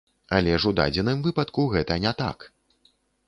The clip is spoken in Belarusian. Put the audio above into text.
Але ж у дадзеным выпадку гэта не так!